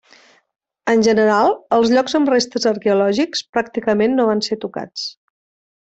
En general els llocs amb restes arqueològics pràcticament no van ser tocats.